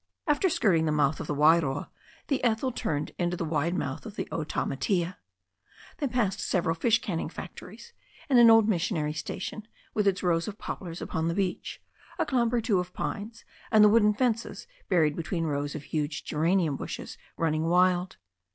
After skirting the mouth of the Wairoa, the Ethel turned into the wide mouth of the Otamatea. They passed several fish canning factories, and an old missionary station, with its rows of poplars along the beach, a clump or two of pines, and the wooden fences buried between rows of huge gera nium bushes running wild.